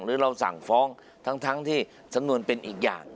หรือเราสั่งฟ้องทั้งที่สำนวนเป็นอีกอย่าง